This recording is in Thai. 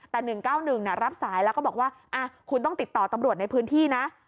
แต่๑๙๑รับสายแล้วก็บอกว่าคุณต้องติดต่อตำรวจในพื้นที่นะ